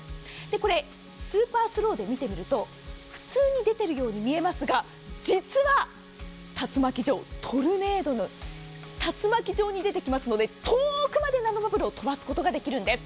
これ、スーパースローで見てみると普通に出ているように見えますが実は、竜巻状トルネード状に出てきますので遠くまでナノバブルを飛ばすことができるんです。